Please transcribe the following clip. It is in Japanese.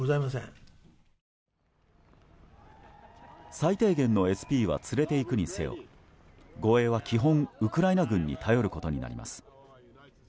最低限のＳＰは連れていくにせよ護衛は基本、ウクライナ軍に頼ることになります。